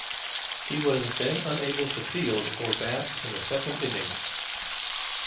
He was then unable to field, or bat in the second innings.